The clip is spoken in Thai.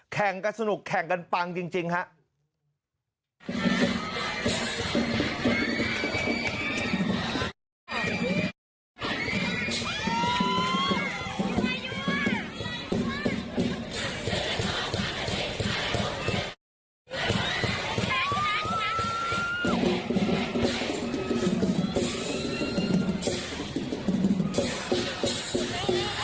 แข่งกันสนุกแข่งกันปังจริงครับ